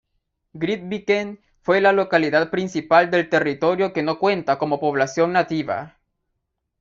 Grytviken fue la localidad principal del territorio que no cuenta con población nativa.